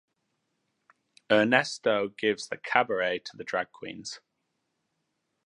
Ernesto gives the cabaret to the drag queens.